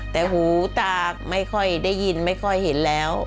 แต่หูตาไม่ค่อยได้ยินไม่ค่อยเห็นแล้ว